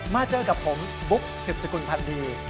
มาเจอกับผมบุ๊กสืบสกุลพันธ์ดี